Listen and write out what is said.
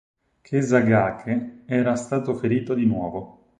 Kesagake era stato ferito di nuovo.